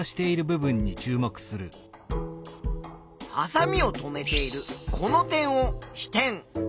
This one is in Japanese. はさみを留めているこの点を「支点」。